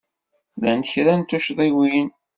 Llant kra n tuccḍiwin.